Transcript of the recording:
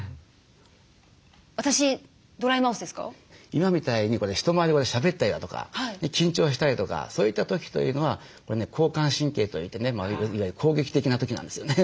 今みたいに人前でしゃべったりだとか緊張したりとかそういった時というのはこれね交感神経といってねいわゆる攻撃的な時なんですよね。